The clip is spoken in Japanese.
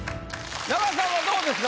中田さんはどうですか？